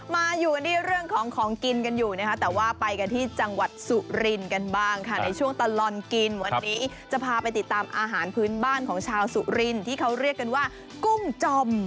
มาอยู่กันที่เรื่องของของกินกันอยู่นะคะแต่ว่าไปกันที่จังหวัดสุรินทร์กันบ้างค่ะในช่วงตลอดกินวันนี้จะพาไปติดตามอาหารพื้นบ้านของชาวสุรินที่เขาเรียกกันว่ากุ้งจม